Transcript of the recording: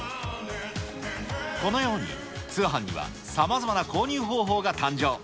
このように通販にはさまざまな購入方法が誕生。